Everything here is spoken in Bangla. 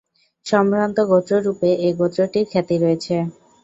সম্ভ্রান্ত গোত্ররূপে এ গোত্রটির খ্যাতি রয়েছে।